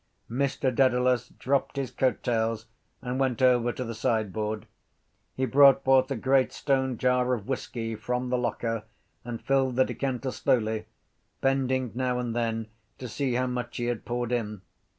Mr Dedalus dropped his coat tails and went over to the sideboard. He brought forth a great stone jar of whisky from the locker and filled the decanter slowly, bending now and then to see how much he had poured in.